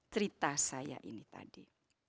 cerita saya ini tadi